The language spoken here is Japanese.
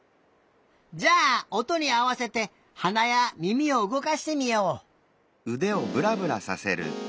じゃあおとにあわせてはなやみみをうごかしてみよう。